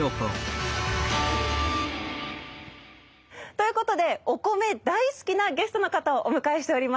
ということでお米大好きなゲストの方をお迎えしております。